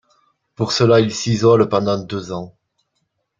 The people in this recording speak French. Pour cela, il s’isole pendant deux ans.